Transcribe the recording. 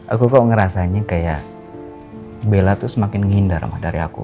aku kok ngerasanya kayak bella tuh semakin ngindar dari aku